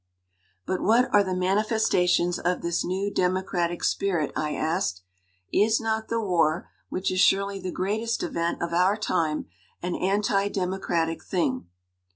"But what are the manifestations of this new democratic spirit?" I asked. "Is not the war, which is surely the greatest event of our time, an anti democratic thing